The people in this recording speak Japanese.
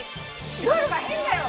ルールが変だよ！